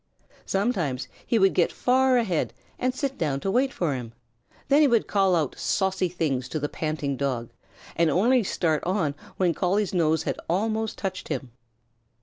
Sometimes he would get far ahead and sit down to wait for him. Then he would call out saucy things to the panting Dog, and only start on when Collie's nose had almost touched him.